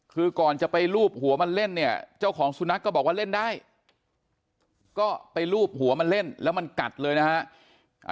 คือก่อนจะไปลูบหัวมันเล่นเนี่ยเจ้าของสุนัขก็บอกว่าเล่นได้ก็ไปลูบหัวมันเล่นแล้วมันกัดเลยนะฮะ